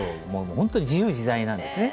ほんとに自由自在なんですね。